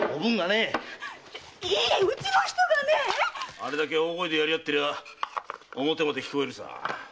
あれだけ大声でやりあってりゃ表まで聞こえるさ。